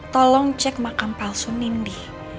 tolong cek makam palsu nindi